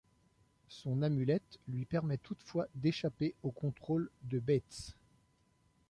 Son amulette lui permet toutefois d'échapper au contrôle de Bates.